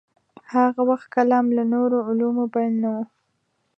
هاغه وخت کلام له نورو علومو بېل نه و.